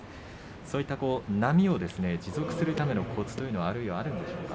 そういった波を持続するためのコツはあるんでしょうか。